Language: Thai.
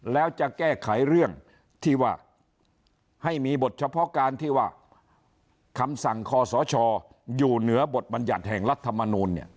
แล้วจะแก้ไขเรื่องที่ว่าให้มีบทเฉพาะการที่ว่าคำสั่งคอสชอยู่เหนือบทบัญญัติแห่งรัฐมนูล